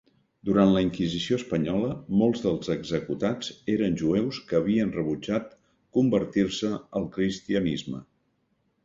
Durant la inquisició espanyola, molts dels executats eren jueus que havien rebutjat convertir-se al cristianisme.